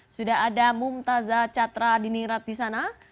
sudah ada mumtazah catra dini ratisana